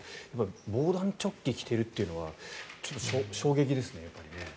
防弾チョッキを着ているというのは衝撃ですね。